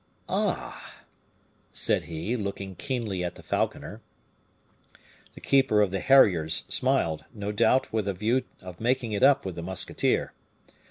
"Ah!" said he, looking keenly at the falconer. The keeper of the harriers smiled, no doubt with a view of making it up with the musketeer.